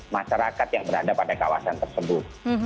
masyarakat yang berada pada kawasan tersebut